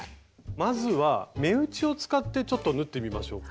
まずは目打ちを使ってちょっと縫ってみましょうか。